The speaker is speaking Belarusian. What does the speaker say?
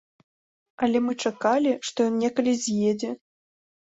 Але мы чакалі, што ён некалі з'едзе.